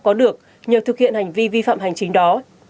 có được nhờ thực hiện hành vi vi phạm hành chính đó